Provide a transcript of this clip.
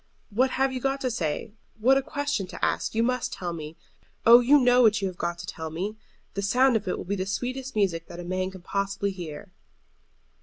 What have you got to say? What a question to ask! You must tell me. Oh, you know what you have got to tell me! The sound of it will be the sweetest music that a man can possibly hear."